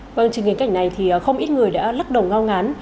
trên ngành cảnh này không ít người đã lắc đầu ngao ngán